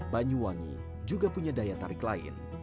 banyuwangi juga punya daya tarik lain